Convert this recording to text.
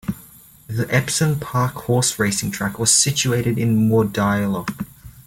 The Epsom Park Horse Racing track was situated in Mordialloc.